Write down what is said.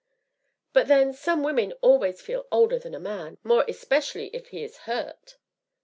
"But then, some women always feel older than a man more especially if he is hurt."